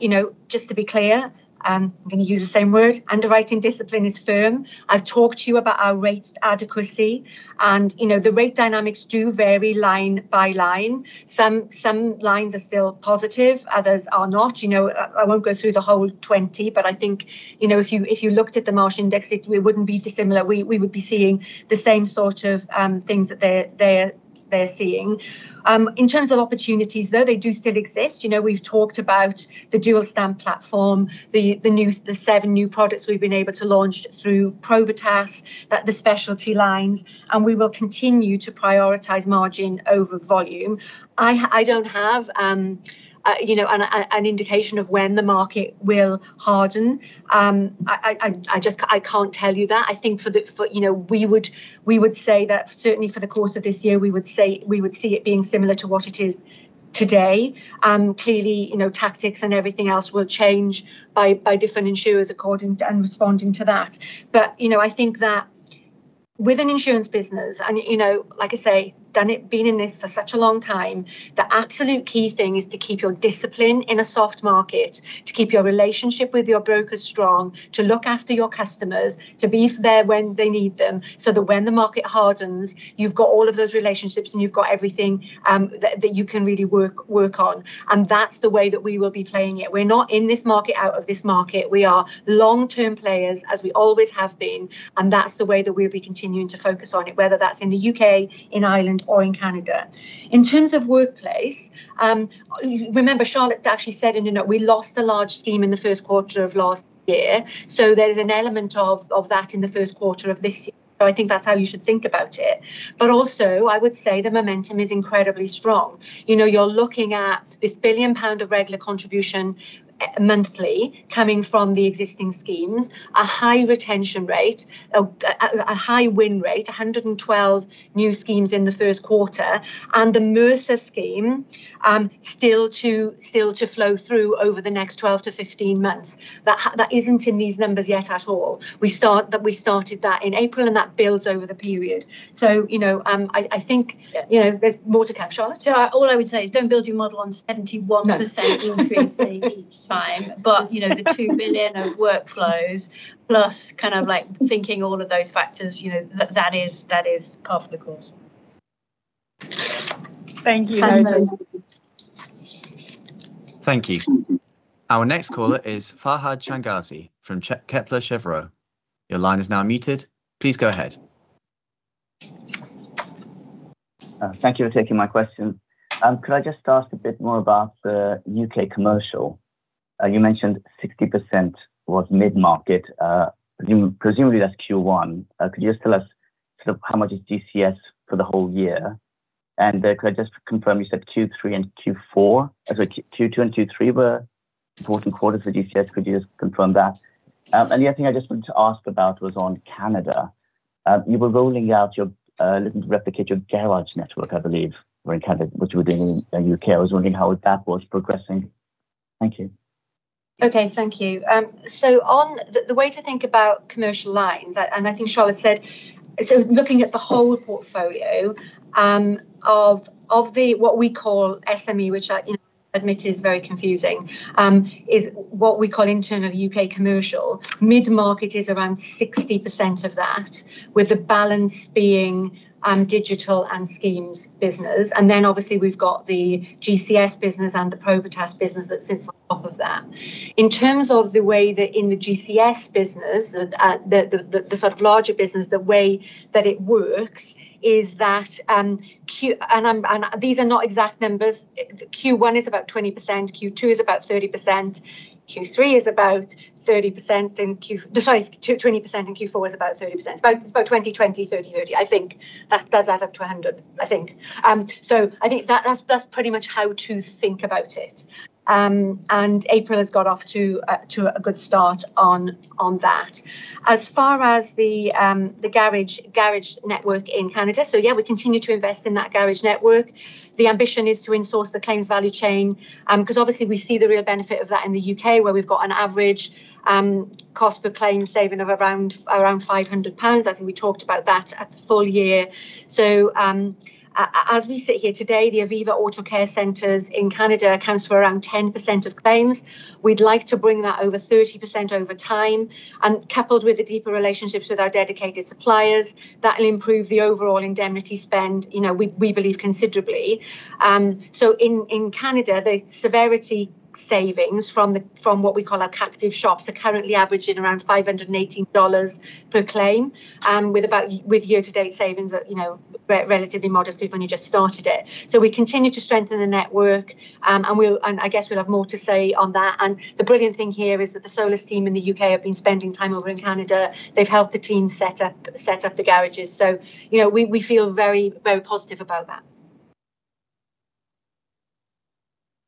You know, just to be clear, I'm gonna use the same word, underwriting discipline is firm. I've talked to you about our rate adequacy and, you know, the rate dynamics do vary line by line. Some lines are still positive, others are not. You know, I won't go through the whole 20, I think, you know, if you looked at the Marsh index, we wouldn't be dissimilar. We would be seeing the same sort of things that they're seeing. In terms of opportunities though, they do still exist. You know, we've talked about the dual stamp platform, the new, the seven new products we've been able to launch through Probitas that the specialty lines and we will continue to prioritize margin over volume. I don't have, you know, an indication of when the market will harden. I just, I can't tell you that. I think for the, you know, we would say that certainly for the course of this year, we would see it being similar to what it is today. Clearly, you know, tactics and everything else will change by different insurers according, and responding to that. You know, I think that with an insurance business and, you know, like I say, done it, been in this for such a long time, the absolute key thing is to keep your discipline in a soft market, to keep your relationship with your brokers strong, to look after your customers, to be there when they need them, so that when the market hardens, you've got all of those relationships and you've got everything that you can really work on. That's the way that we will be playing it. We're not in this market, out of this market. We are long-term players, as we always have been, and that's the way that we'll be continuing to focus on it, whether that's in the U.K., in Ireland, or in Canada. In terms of workplace, remember Charlotte actually said in, you know, we lost a large scheme in the first quarter of last year, so there is an element of that in the first quarter of this year. I think that's how you should think about it. Also, I would say the momentum is incredibly strong. You know, you're looking at this 1 billion pound of regular contribution monthly coming from the existing schemes, a high retention rate, a high win rate, 112 new schemes in the first quarter, and the Mercer scheme still to flow through over the next 12-15 months. That isn't in these numbers yet at all. We started that in April and that builds over the period. You know, I think. Yeah. You know, there's more to capture. Charlotte? All I would say is don't build your model on 71%- No.... increasing each time. You know, the 2 billion of workflows plus kind of like thinking all of those factors, you know, that is, that is par for the course. Thank you. Thank you. Thank you. Our next caller is Fahad Changazi from Kepler Cheuvreux. Your line is now muted. Please go ahead. Thank you for taking my question. Could I just ask a bit more about the U.K. commercial? You mentioned 60% was mid-market. Presumably that's Q1. Could you just tell us sort of how much is GCS for the whole year? Could I just confirm you said Q3 and Q4, sorry, Q2 and Q3 were important quarters for GCS. Could you just confirm that? The other thing I just wanted to ask about was on Canada. You were rolling out your, looking to replicate your garage network, I believe, or in Canada, which you were doing in the U.K. I was wondering how that was progressing. Thank you. Thank you. On the way to think about commercial lines, and I think Charlotte said, looking at the whole portfolio of the what we call SME, which I, you know, admit is very confusing, is what we call internal U.K. commercial. Mid-market is around 60% of that, with the balance being digital and schemes business. Then obviously we've got the GCS business and the Probitas business that sits on top of that. In terms of the way that in the GCS business, the sort of larger business, the way that it works is that, I'm, and these are not exact numbers. Q1 is about 20%, Q2 is about 30%, Q3 is about 30% and Q, sorry, 20% and Q4 is about 30%. It's about 20/20, 30/30, I think. That does add up to 100%, I think. I think that's pretty much how to think about it. April has got off to a good start on that. As far as the garage network in Canada, yeah, we continue to invest in that garage network. The ambition is to in-source the claims value chain, 'cause obviously we see the real benefit of that in the U.K. where we've got an average cost per claim saving of around 500 pounds. I think we talked about that at the full-year. As we sit here today, the Aviva AutoCare centers in Canada accounts for around 10% of claims. We'd like to bring that over 30% over time, coupled with the deeper relationships with our dedicated suppliers, that'll improve the overall indemnity spend, you know, we believe considerably. In Canada, the severity savings from what we call our captive shops are currently averaging around GBP 580 per claim, with year to date savings at, you know, relatively modest we've only just started it. We continue to strengthen the network. We'll, I guess we'll have more to say on that. The brilliant thing here is that the Solus team in the U.K. have been spending time over in Canada. They've helped the team set up the garages. You know, we feel very positive about that.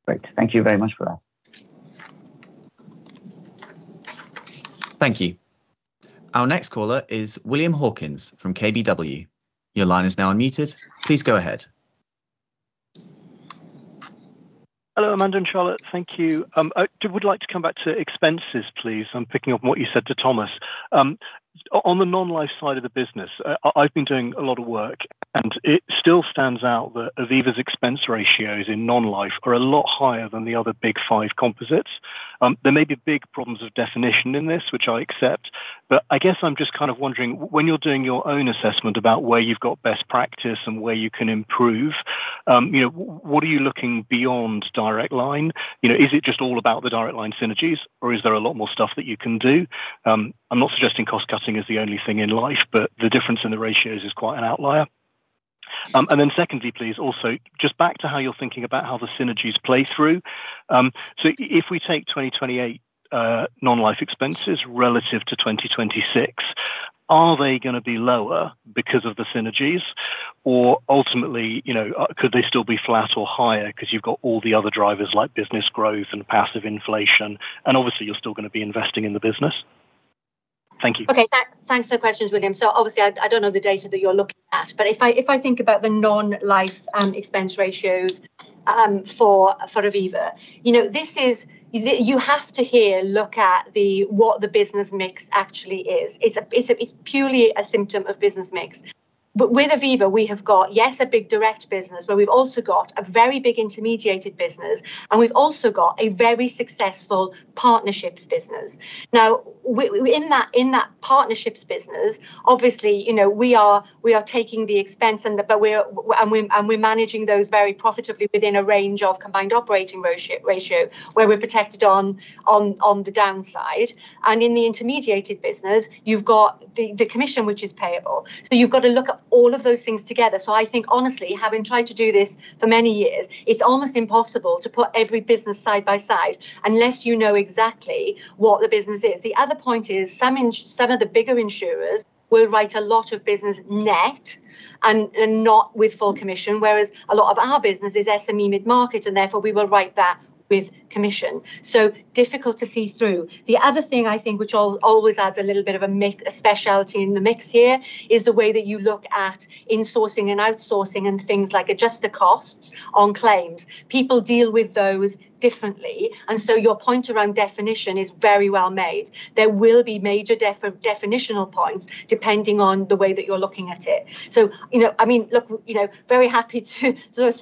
Great. Thank you very much for that. Thank you. Our next caller is William Hawkins from KBW. Your line is now unmuted. Please go ahead. Hello, Amanda and Charlotte. Thank you. I do, would like to come back to expenses, please. I'm picking up on what you said to Thomas. On the non-life side of the business, I've been doing a lot of work, and it still stands out that Aviva's expense ratios in non-life are a lot higher than the other big five composites. There may be big problems of definition in this, which I accept, but I guess I'm just kind of wondering when you're doing your own assessment about where you've got best practice and where you can improve, you know, what are you looking beyond Direct Line? You know, is it just all about the Direct Line synergies, or is there a lot more stuff that you can do? I'm not suggesting cost cutting is the only thing in life, but the difference in the ratios is quite an outlier. Secondly, please, also, just back to how you're thinking about how the synergies play through. If we take 2028 non-life expenses relative to 2026, are they going to be lower because of the synergies? Ultimately, you know, could they still be flat or higher because you've got all the other drivers like business growth and passive inflation, and obviously you're still going to be investing in the business? Thank you. Okay. Thanks for the questions, William. Obviously I don't know the data that you're looking at, but if I, if I think about the non-life expense ratios for Aviva, you know, this is, you have to here look at the, what the business mix actually is. It's a, it's a, it's purely a symptom of business mix. With Aviva, we have got, yes, a big direct business, but we've also got a very big intermediated business, and we've also got a very successful partnerships business. In that, in that partnerships business, obviously, you know, we are, we are taking the expense and the but we're, and we're, and we're managing those very profitably within a range of combined operating ratio where we're protected on, on the downside. In the intermediated business, you've got the commission which is payable. You've got to look at all of those things together. I think honestly, having tried to do this for many years, it's almost impossible to put every business side by side unless you know exactly what the business is. The other point is some of the bigger insurers will write a lot of business net and not with full commission, whereas a lot of our business is SME mid-market and therefore we will write that with commission. Difficult to see through. The other thing I think which always adds a little bit of a specialty in the mix here is the way that you look at insourcing and outsourcing and things like adjuster costs on claims. People deal with those differently. Your point around definition is very well made. There will be major definitional points depending on the way that you're looking at it. You know, I mean, look, you know, very happy to sort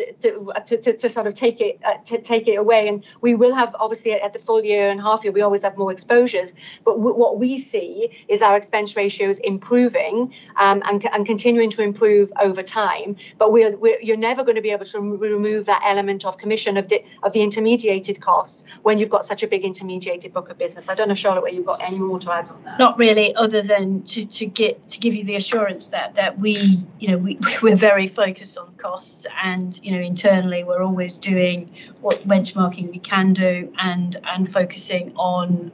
of take it to take it away. We will have, obviously at the full-year and half year, we always have more exposures, but what we see is our expense ratios improving, and continuing to improve over time, but we're, you're never gonna be able to remove that element of commission of the intermediated costs when you've got such a big intermediated book of business. I don't know, Charlotte, whether you've got any more to add on that. Not really, other than to get, to give you the assurance that we, you know, we're very focused on costs and, you know, internally we're always doing what benchmarking we can do and focusing on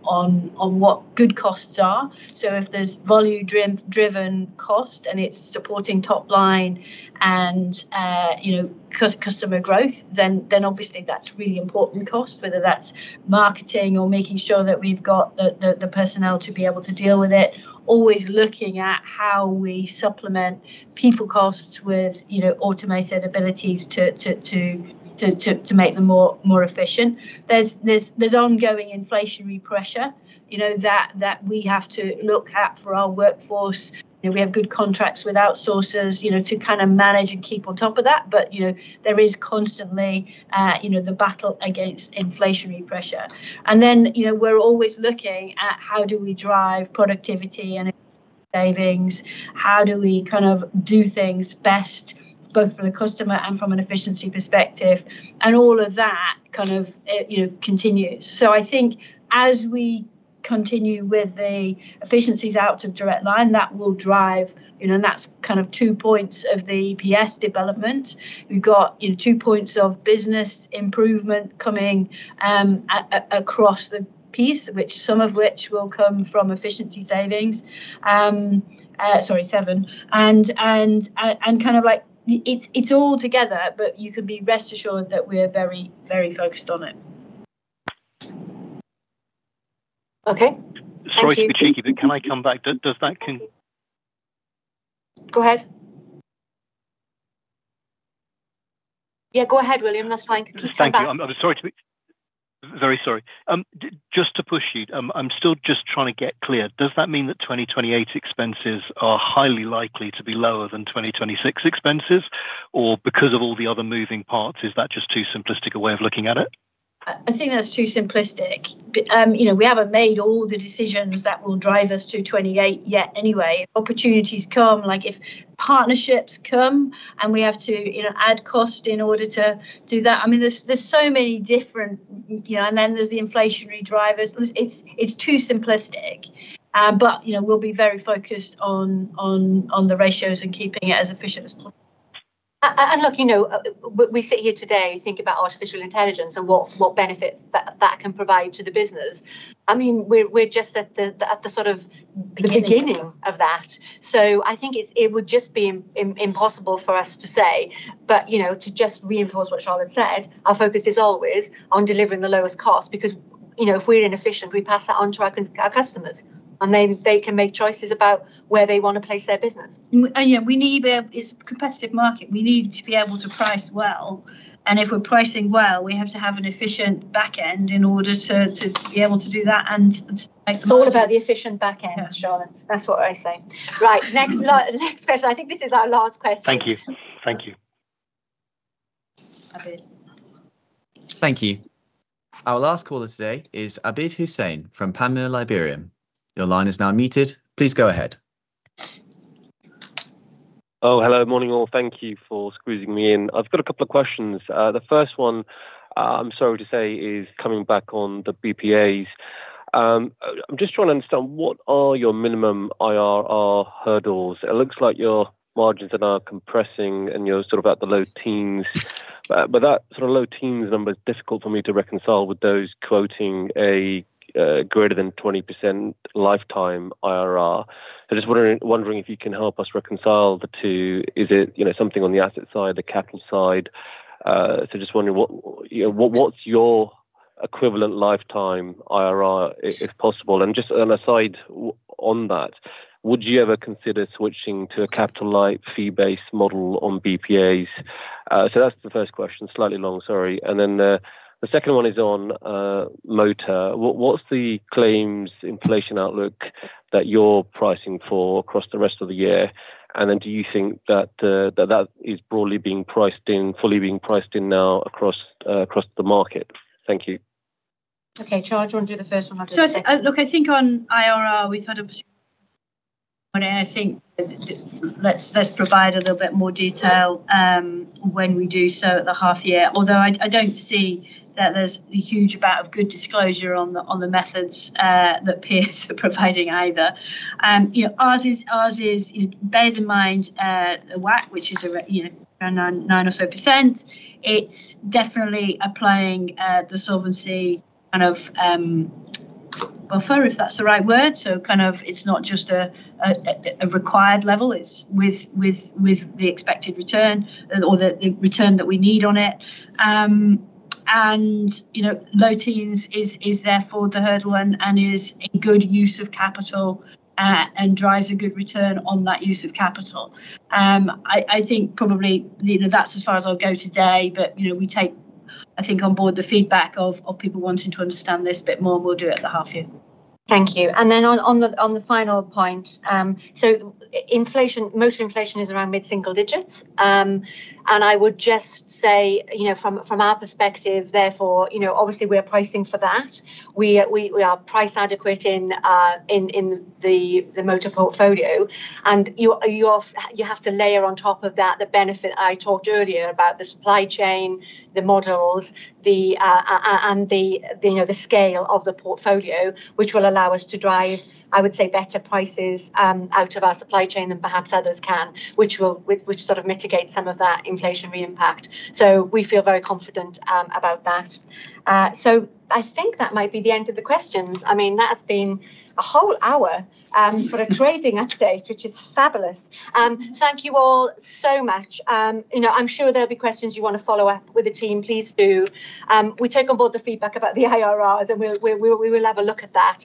what good costs are. If there's volume driven cost and it's supporting top line and, you know, customer growth, then obviously that's really important cost, whether that's marketing or making sure that we've got the personnel to be able to deal with it. Always looking at how we supplement people costs with, you know, automated abilities to make them more efficient. There's ongoing inflationary pressure, you know, that we have to look at for our workforce. You know, we have good contracts with outsourcers, you know, to kind of manage and keep on top of that. You know, there is constantly, you know, the battle against inflationary pressure. You know, we're always looking at how do we drive productivity and savings, how do we kind of do things best both for the customer and from an efficiency perspective, and all of that kind of, you know, continues. I think as we continue with the efficiencies out of Direct Line, that will drive, you know, and that's kind of 2 points of the EPS development. We've got, you know, 2 points of business improvement coming across the piece, which some of which will come from efficiency savings. Sorry, 7. Kind of like it's all together, but you can be rest assured that we're very focused on it. Okay. Thank you. Sorry to be cheeky, but can I come back? Go ahead. Yeah, go ahead, William. That's fine. Please come back. Thank you. I'm sorry to be Very sorry. Just to push you, I'm still just trying to get clear. Does that mean that 2028 expenses are highly likely to be lower than 2026 expenses? Because of all the other moving parts, is that just too simplistic a way of looking at it? I think that's too simplistic. you know, we haven't made all the decisions that will drive us to 2028 yet anyway. Opportunities come, like if partnerships come and we have to, you know, add cost in order to do that. I mean, there's so many different, you know, then there's the inflationary drivers. There's, it's too simplistic. you know, we'll be very focused on the ratios and keeping it as efficient as possible. Look, you know, we sit here today thinking about artificial intelligence and what benefit that can provide to the business. I mean, we're just at the sort of beginning- Beginning.... of that. I think it's, it would just be impossible for us to say. You know, to just reinforce what Charlotte said, our focus is always on delivering the lowest cost because, you know, if we're inefficient, we pass that on to our customers, and they can make choices about where they wanna place their business. You know, it's a competitive market. We need to be able to price well. If we're pricing well, we have to have an efficient backend in order to be able to do that. It's all about the efficient backend. Yeah. Charlotte. That's what I say. Right. Next question. I think this is our last question. Thank you. Thank you. Abid. Thank you. Our last caller today is Abid Hussain from Panmure Liberum. Your line is now muted. Please go ahead. Hello. Morning, all. Thank you for squeezing me in. I've got a couple of questions. The first one, I'm sorry to say, is coming back on the BPAs. I'm just trying to understand what are your minimum IRR hurdles. It looks like your margins are now compressing and you're sort of at the low teens. That sort of low teens number is difficult for me to reconcile with those quoting a greater than 20% lifetime IRR. Just wondering if you can help us reconcile the two. Is it, you know, something on the asset side, the capital side? Just wondering what, you know, what's your equivalent lifetime IRR, if possible? Just an aside on that, would you ever consider switching to a capital-light fee-based model on BPAs? That's the first question. Slightly long, sorry. The second one is on motor. What's the claims inflation outlook that you're pricing for across the rest of the year? Do you think that that is broadly being priced in, fully being priced in now across the market? Thank you. Okay. Charlotte, do you wanna do the first one? I'll do the second. Sue look, I think on IRR we've had a and I think the Let's, let's provide a little bit more detail when we do so at the half year. Although I don't see that there's a huge amount of good disclosure on the methods that peers are providing either. you know, ours is, ours is, you know, bears in mind the WACC, which is you know, around 9 or so percent. It's definitely applying the solvency kind of buffer, if that's the right word. kind of it's not just a required level. It's with the expected return or the return that we need on it. You know, low teens is therefore the hurdle and is a good use of capital and drives a good return on that use of capital. I think probably you know, that's as far as I'll go today but, you know, we take, I think, on board the feedback of people wanting to understand this a bit more, and we'll do it at the half year. Thank you. On, on the, on the final point, inflation, motor inflation is around mid-single digits. I would just say, you know, from our perspective, therefore, you know, obviously we're pricing for that. We are price adequate in the motor portfolio. You have to layer on top of that the benefit I talked earlier about the supply chain, the models, the, you know, the scale of the portfolio, which will allow us to drive, I would say, better prices out of our supply chain than perhaps others can, which will sort of mitigate some of that inflationary impact. We feel very confident about that. I think that might be the end of the questions. I mean, that's been a whole hour for a trading update, which is fabulous. Thank you all so much. You know, I'm sure there'll be questions you wanna follow up with the team. Please do. We take on board the feedback about the IRRs, and we will have a look at that.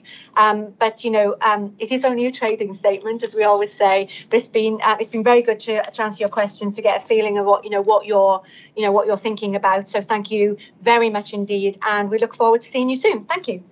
You know, it is only a trading statement, as we always say. It's been very good to answer your questions to get a feeling of what, you know, what you're, you know, what you're thinking about. Thank you very much indeed, and we look forward to seeing you soon. Thank you.